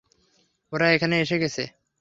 ওরা এখানে এসে গেছে।